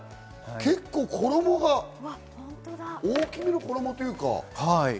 結構、衣が大きめの衣というか。